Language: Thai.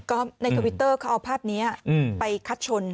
ก็ในทวิตเตอร์เขาเอาภาพนี้ไปคัดชน